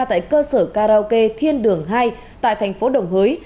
tại cơ sở karaoke thiên đường hai tại thành phố đồng hới